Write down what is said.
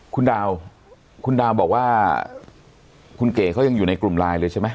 คุณดาวคุณดาวบอกว่าคุณเก๋เขายังอยู่ในกลุ่มไลน์เลยใช่ไหม